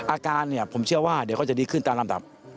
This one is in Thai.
อาการเนี่ยผมเชื่อว่าเดี๋ยวก็จะดีขึ้นตามลำดับ